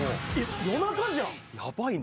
夜中じゃん。